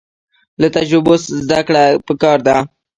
له تجربو زده کړه پکار ده